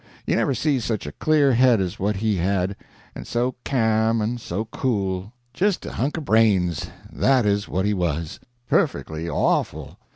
You never see such a clear head as what he had and so ca'm and so cool. Jist a hunk of brains that is what he was. Perfectly awful.